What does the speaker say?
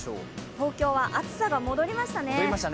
東京は暑さが戻りましたね。